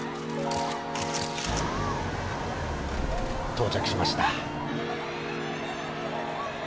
到着しました。